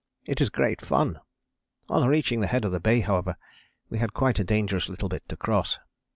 It is great fun. On reaching the head of the Bay, however, we had quite a dangerous little bit to cross.